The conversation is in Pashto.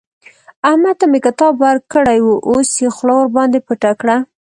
احمد ته مې کتاب ورکړی وو؛ اوس يې خوله ورباندې پټه کړه.